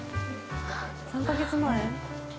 ３カ月前？